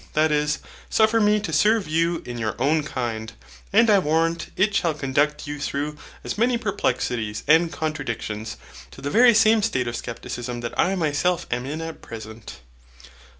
That is, suffer me to serve you in your own kind, and I warrant it shall conduct you through as many perplexities and contradictions, to the very same state of scepticism that I myself am in at present.